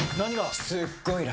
すっごい楽！